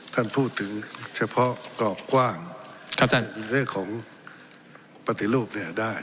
ท่านพูดถึงเฉพาะกรอบกว้างในเรื่องของปฏิรูปเนี่ยได้